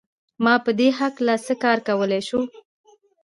ما په دې هکله څه کار کولای شول